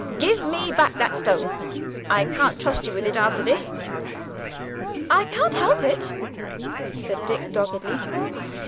Give me back that stone. I can't trust you with it after this." "I can't help it," said Dick doggedly.